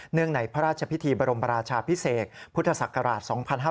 เนื่องไหนพระราชพิธีบรมราชาพิเศษพุทธศักราช๒๕๖๒